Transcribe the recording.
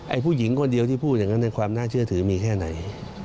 ผู้หญิงคนเดียวที่พูดอย่างนั้นในความน่าเชื่อถือมีแค่ไหน